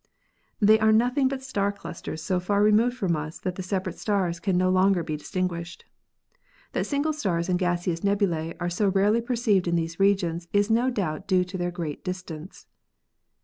They are nothing but star clusters so far removed from us that the separate stars can no longer be distinguished. That single stars and gaseous nebulae are so rarely perceived in these regions is no doubt due to their great distance."